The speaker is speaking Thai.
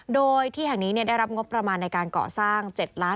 โดยที่แห่งนี้ได้รับงบประมาณในการก่อสร้าง๗ล้าน